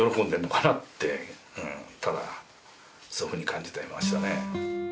そういうふうに感じてはいましたね。